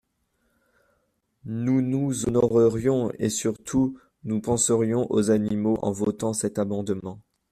Nous nous honorerions et, surtout, nous penserions aux animaux en votant cet amendement.